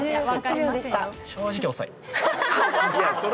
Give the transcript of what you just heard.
正直遅い。